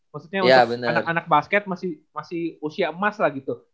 maksudnya anak anak basket masih usia emas lah gitu